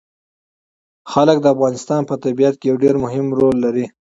وګړي د افغانستان په طبیعت کې یو ډېر مهم رول لري.